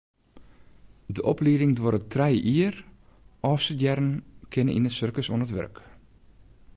De oplieding duorret trije jier, ôfstudearren kinne yn it sirkus oan it wurk.